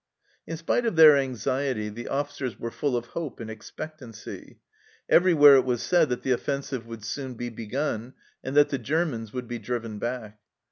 In spite of their anxiety, the officers were full of hope and expectancy ; everywhere it was said that the offensive would soon be begun, and that the Germans would be driven back.